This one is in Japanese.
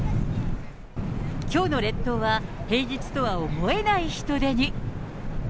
きょうの列島は、平日とは思えない人出に。